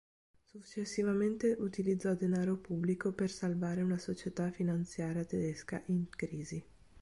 Successivamente utilizzò denaro pubblico per salvare una società finanziaria tedesca in crisi.